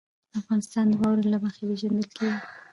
افغانستان د واوره له مخې پېژندل کېږي.